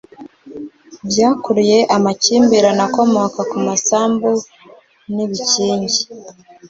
byakuruye amakimbirane akomoka ku masambu n'ibikingi.